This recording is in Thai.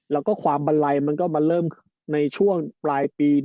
แล้วก็ความบันไลมันก็มาเริ่มในช่วงปลายปี